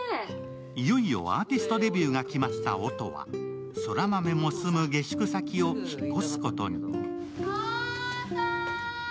いよいよアーティストデビューが決まった音は空豆も住む下宿先を引っ越すことに。